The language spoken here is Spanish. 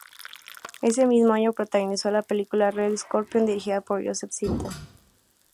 Ese mismo año protagonizó la película "Red Scorpion", dirigida por Joseph Zito.